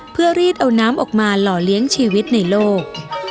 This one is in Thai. เพื่อรีดเอาน้ำออกมาหล่อเลี้ยงชีวิตในโลก